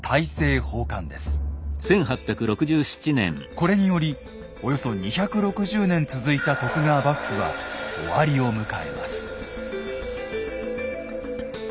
これによりおよそ２６０年続いた徳川幕府は終わりを迎えます。